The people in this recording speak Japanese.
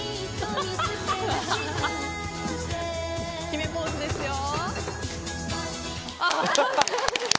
決めポーズですよ。